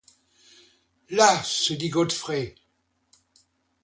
Là !… se dit Godfrey.